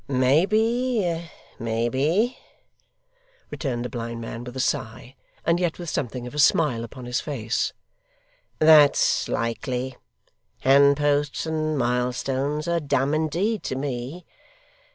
'Maybe, maybe,' returned the blind man with a sigh, and yet with something of a smile upon his face, 'that's likely. Handposts and milestones are dumb, indeed, to me.